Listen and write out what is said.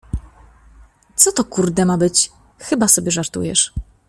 Co to kurde ma być, chyba sobie żartujesz.